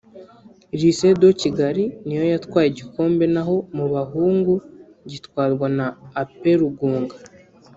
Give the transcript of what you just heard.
Lycée de Kigali ni yo yatwaye igikombe na ho mu bahungu gitwarwa na Ap Rugunga